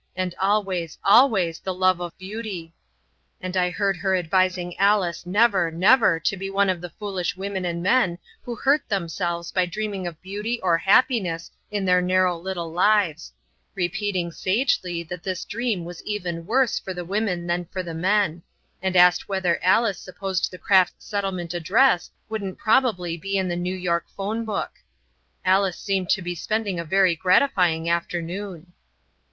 And always, ALWAYS the love of beauty." And I heard her advising Alice never, never to be one of the foolish women and men who hurt themselves by dreaming of beauty or happiness in their narrow little lives; repeating sagely that this dream was even worse for the women than for the men; and asked whether Alice supposed the Crafts Settlement address wouldn't probably be in the New York telephone book. Alice seemed to be spending a very gratifying afternoon.